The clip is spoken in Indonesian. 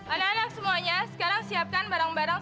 anak anak semuanya sekarang siapkan barang barang